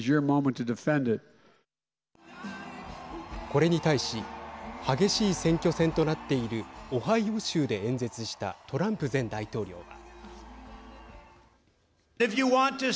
これに対し激しい選挙戦となっているオハイオ州で演説したトランプ前大統領は。